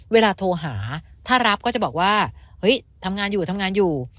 เวลาโทรหาถ้ารับก็จะบอกว่าเฮ้ยทำงานอยู่ทำงานอยู่